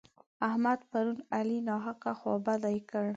احمد پرون علي ناحقه خوابدی کړ.